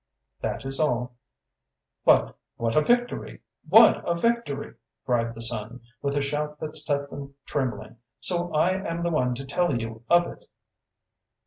"That is all." "But what a victory! What a victory!" cried the son, with a shout that set them trembling. "So I am the one to tell you of it!"